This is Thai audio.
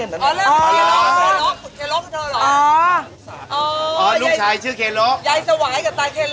ยายสวายกับต้านเครียดรก